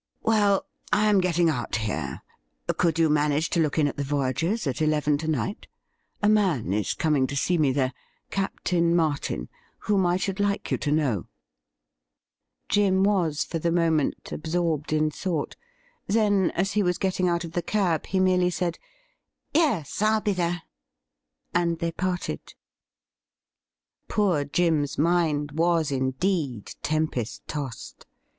Well, I am getting out here. Could you manage to look in at the Voyagers' at eleven to night ? A man is coming to see me there — Captain Martin — whom I should like you to know.' Jim was, for the moment, absorbed in thought. Then, as he was getting out of the cab, he merely said, ' Yes, Fll be there,' and they parted. Poor Jim's mind was indeed tempest tossed.